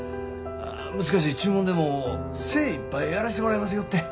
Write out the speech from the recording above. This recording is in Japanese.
難しい注文でも精いっぱいやらしてもらいますよって。